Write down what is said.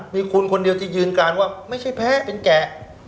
มีคุณคนเดียวที่ยืนการว่าไม่ใช่แพ้เป็นแกะ